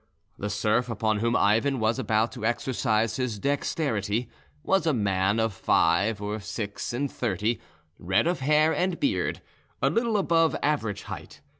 The serf upon whom Ivan was about to exercise his dexterity was a man of five or six and thirty, red of hair and beard, a little above average height.